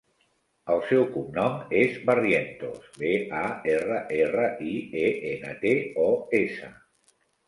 El seu cognom és Barrientos: be, a, erra, erra, i, e, ena, te, o, essa.